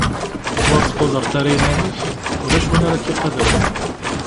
Ma ur tqudreḍ ara iman-ik, ulac win ara k-iqadren.